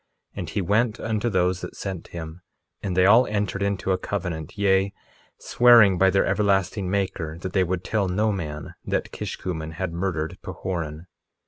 1:11 And he went unto those that sent him, and they all entered into a covenant, yea, swearing by their everlasting Maker, that they would tell no man that Kishkumen had murdered Pahoran.